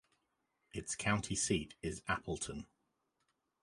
Its county seat is Appleton.